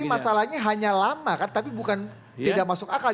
jadi masalahnya hanya lama kan tapi bukan tidak masuk akal